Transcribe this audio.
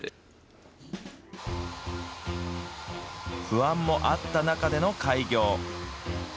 不安もあった中での開業。